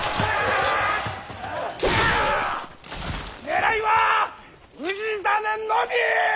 狙いは氏真のみ！